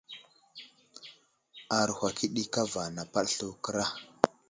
Aruhw akəɗi kava napaɗ slu kəra.